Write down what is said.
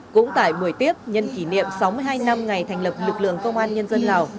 cũng tại một mươi tiết nhân kỷ niệm sáu mươi hai năm ngày thành lập lực lượng công an nhân dân lào